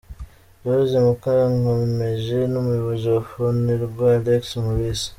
Rose Mukankomeje n’umuyobozi wa Fonerwa, Alex Mulisa.